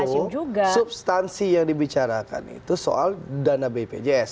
pak prabowo substansi yang dibicarakan itu soal dana bpjs